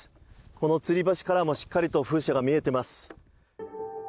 このつり橋からもしっかりと風車が見えてます。